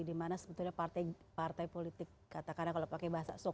dimana sebetulnya partai partai politik kata kata kalau pakai buku itu adalah partai politik